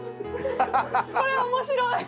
これは面白い。